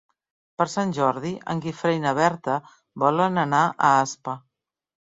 Per Sant Jordi en Guifré i na Berta volen anar a Aspa.